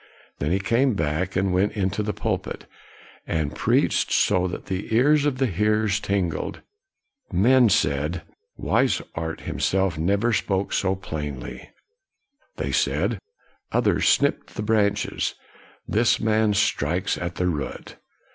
Then he came back, and went into the pulpit, and preached so that the ears of the hearers tingled. Men said, " Wishart himself never spoke so plainly.' 1 They said, " Others snipped the branches; this man strikes at the root.